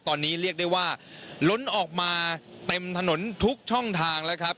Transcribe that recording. ตอนนี้เรียกได้ว่าล้นออกมาเต็มถนนทุกช่องทางแล้วครับ